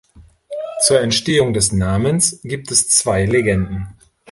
Zur Entstehung des Namens gibt es zwei Legenden.